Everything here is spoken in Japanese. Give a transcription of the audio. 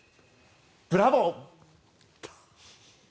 ブラボー！